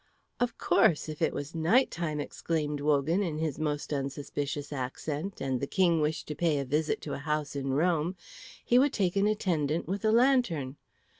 "Of course, if it was night time," exclaimed Wogan, in his most unsuspicious accent, "and the King wished to pay a visit to a house in Rome, he would take an attendant with a lantern.